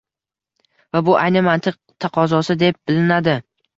Va bu ayni mantiq taqozosi deb bilinadi.